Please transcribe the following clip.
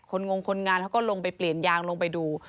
งงคนงานเขาก็ลงไปเปลี่ยนยางลงไปดู